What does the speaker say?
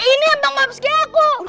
ini yang nge mapski aku